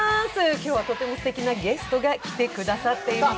今日はとてもすてきなゲストが来てくださっています。